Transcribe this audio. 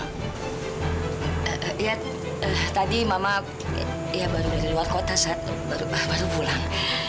lihat tadi mama ya baru di luar kota saat baru baru pulang